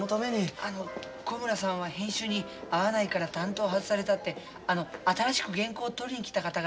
あの小村さんは編集に合わないから担当を外されたってあの新しく原稿を取りに来た方が。